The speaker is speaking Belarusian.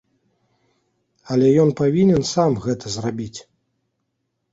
Але ён павінен сам гэта зрабіць.